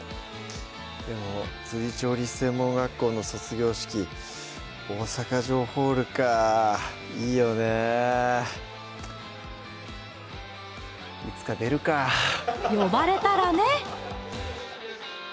でも調理師専門学校の卒業式大阪城ホールかいいよね呼ばれたらね